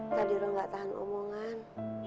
tadi lo gak tahan omongan